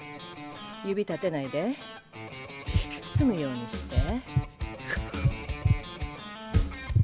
指立てないで包むようにして。